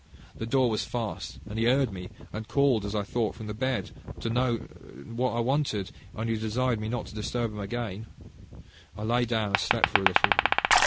The door was fast, and he heard me, and called as I thought from the bed to know what I wanted, and he desired me not to disturb him again. I lay down and slept for a little.